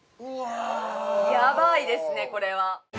やばいですね、これは。